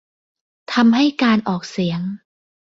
ทำให้การออกเสียง